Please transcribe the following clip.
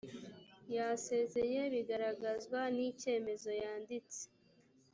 yasezeye bigaragazwa n icyemezo yanditse